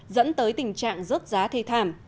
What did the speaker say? vẫn tới tình trạng rớt giá thây thảm